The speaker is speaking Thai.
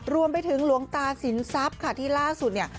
รวมไปถึงหลวงตาสินทรัพย์ค่ะที่ล่าสุดเนี่ย